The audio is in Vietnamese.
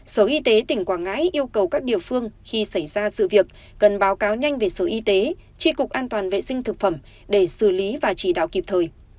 sở y tế tỉnh quảng ngãi yêu cầu các địa phương khi xảy ra sự việc cần báo cáo nhanh về sở y tế tri cục an toàn vệ sinh thực phẩm để xử lý và chỉ đạo kịp thời